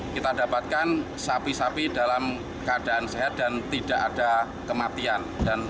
kita dapatkan sapi sapi dalam keadaan sehat dan tidak ada kematian